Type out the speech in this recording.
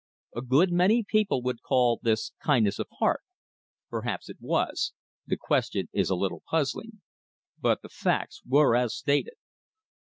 A good many people would call this kindness of heart. Perhaps it was; the question is a little puzzling. But the facts were as stated.